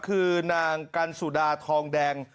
คือนางกันสุดาทองแดง